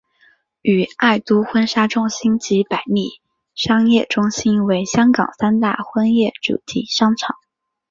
与爱都婚纱中心及百利商业中心为香港三大婚宴主题商场。